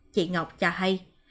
chị ngọc cho hay